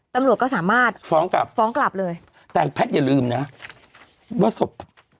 ตำรวจก็สามารถฟ้องกลับเลยแต่แพทย์อย่าลืมนะว่าสม